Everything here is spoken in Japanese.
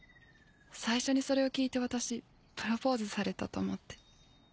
最初にそれを聞いて私プロポーズされたと思って。